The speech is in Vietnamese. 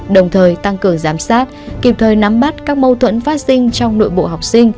đồng thời tăng cường giám sát kịp thời nắm bắt các mâu thuẫn phát sinh trong nội bộ học sinh